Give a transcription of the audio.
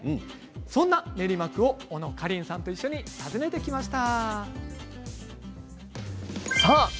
そんな練馬区を小野花梨さんと訪ねてきました。